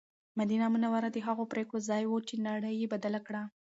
مدینه منوره د هغو پرېکړو ځای و چې نړۍ یې بدله کړه.